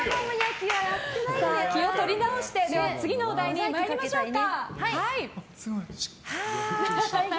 気を取り直して次のお題に参りましょうか。